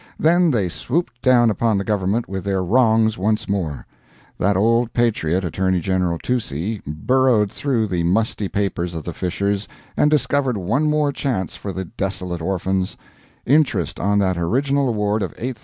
Then they swooped down upon the government with their wrongs once more. That old patriot, Attorney General Toucey, burrowed through the musty papers of the Fishers and discovered one more chance for the desolate orphans interest on that original award of $8,873 from date of destruction of the property (1813) up to 1832!